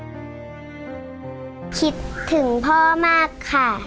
คิดถึงพ่อมากค่ะ